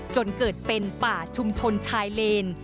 จนเกิดเป็นป่าชุมชนชายเลน